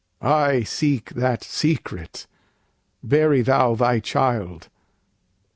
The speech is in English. I seek that secret: bury thou thy child!"